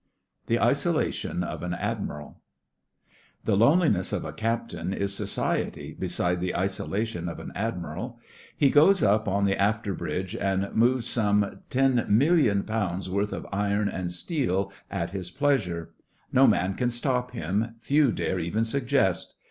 THE ISOLATION OF AN ADMIRAL The loneliness of a Captain is society beside the isolation of an Admiral. He goes up on the after bridge, and moves some £10,000,000 worth of iron and steel at his pleasure. No man can stop him, few dare even suggest.